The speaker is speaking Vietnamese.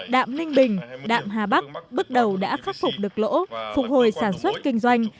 đạm ninh bình đạm hà bắc bước đầu đã khắc phục được lỗ phục hồi sản xuất kinh doanh